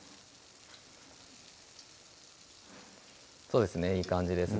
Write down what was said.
そうですねいい感じです